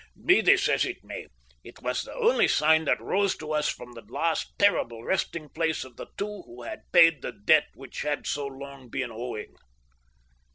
Be this as it may, it was the only sign that rose to us from the last terrible resting place of the two who had paid the debt which had so long been owing.